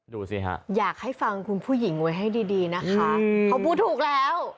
ดูสิฮะอยากให้ฟังคุณผู้หญิงไว้ให้ดีดีนะคะเขาพูดถูกแล้ว